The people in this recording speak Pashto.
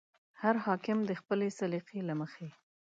هر حاکم د خپلې سلیقې له مخې.